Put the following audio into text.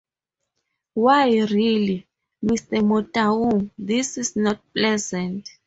Why really, Mr. Montagu, this is not pleasant!